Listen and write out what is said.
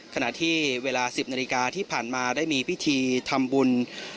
ขณะที่เวลา๑๐นาฬิกาที่ผ่านมาได้มีพิธีทำบุญ